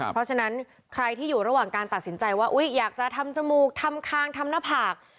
เพราะฉะนั้นใครที่อยู่ระหว่างการตัดสินใจว่าอยากจะทำจมูกทำคางทำหน้าผาก